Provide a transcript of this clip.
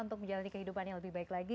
untuk menjalani kehidupan yang lebih baik lagi